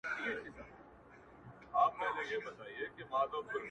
كــــه مــي ازار يـــو ځــــلــــي ووهــــــــلـــــــې,